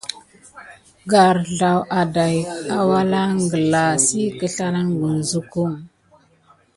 Garzlaw aɗäkiy awula gulaska si magaoula las na don wula duko.